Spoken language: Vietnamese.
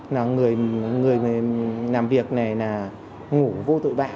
người làm việc này là ngủ vô tội bạ